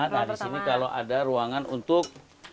nah di sini kalau ada ruangan untuk